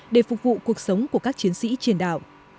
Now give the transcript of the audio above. để phục vụ cuộc sống của các chiến sĩ trên đảo